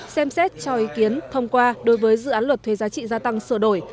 xem xét cho ý kiến thông qua đối với dự án luật thuê giá trị gia tăng sửa đổi